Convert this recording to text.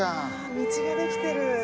道ができてる。